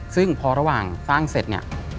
ซึ่งพอระหว่างสร้างเสร็จ